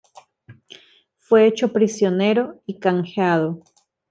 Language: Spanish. Fue hecho prisionero y canjeado.